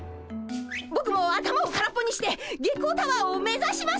ぼくも頭を空っぽにして月光タワーを目指します！